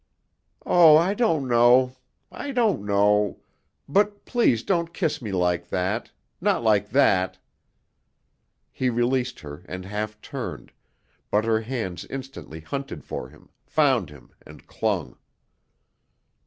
"Oh, I don't know. I don't know.... But please don't kiss me like that, not like that!" He released her and half turned, but her hands instantly hunted for him, found him and clung.